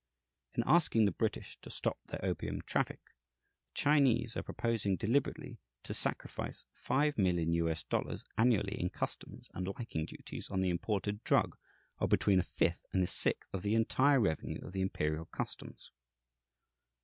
In asking the British to stop their opium traffic the Chinese are proposing deliberately to sacrifice $5,000,000 annually in customs and liking duties on the imported drug, or between a fifth and a sixth of the entire revenue of the imperial customs.